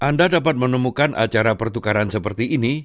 anda dapat menemukan acara pertukaran seperti ini